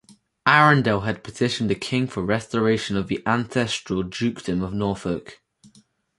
Arundel had petitioned the king for restoration of the ancestral Dukedom of Norfolk.